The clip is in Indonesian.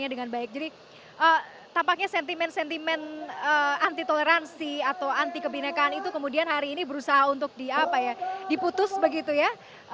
jadi tampaknya sentimen sentimen anti toleransi atau anti kebhinnekaan itu kemudian hari ini berusaha untuk diputus begitu ya